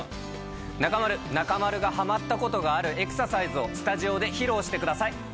中丸、中丸がはまったことがあるエクササイズをスタジオで披露してください。